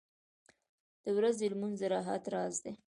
• د ورځې لمونځ د راحت راز دی.